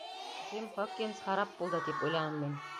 «Джим Хокинс харап булды!» тип уйланым мин.